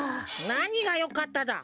なにが「よかった」だ。